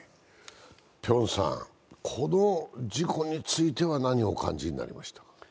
この事故については何をお感じになりました？